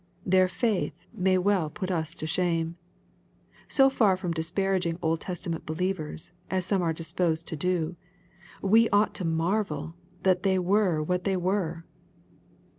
Their faith may well put us to shame. So far from dis paraging Old Testament believers, as some are disposed to do, we ought to marvel that they were what they were.